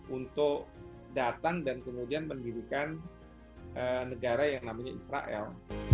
untuk datang dan kemudian mendirikan negara yang namanya israel